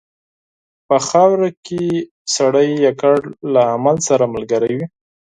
په خاوره کې سړی یوازې له عمل سره ملګری وي.